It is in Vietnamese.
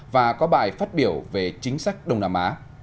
và có bài phát biểu về chính sách đông nam á